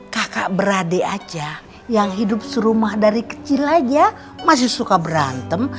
kakak beradik aja yang hidup serumah dari kecil aja masih suka berantem